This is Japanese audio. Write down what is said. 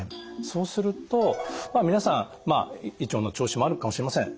そうするとまあ皆さん胃腸の調子もあるかもしれません。